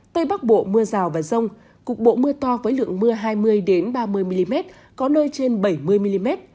tây bắc bộ mưa rào và rông cục bộ mưa to với lượng mưa hai mươi ba mươi mm có nơi trên bảy mươi mm